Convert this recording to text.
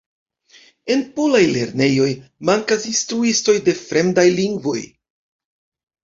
En polaj lernejoj mankas instruistoj de fremdaj lingvoj.